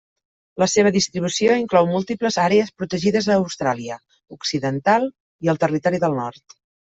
La seva distribució inclou múltiples àrees protegides a Austràlia Occidental i el Territori del Nord.